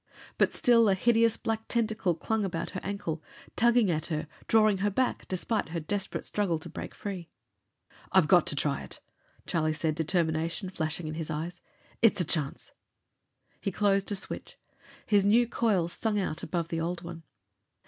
But still a hideous black tentacle clung about her ankle, tugging at her, drawing her back despite her desperate struggle to break free. "I've got to try it!" Charlie said, determination flashing in his eyes. "It's a chance!" He closed a switch. His new coils sung out above the old one.